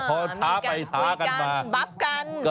พอถาไปถากันมาบัฟกัน